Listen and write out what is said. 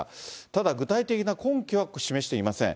ただ、具体的な根拠は示していません。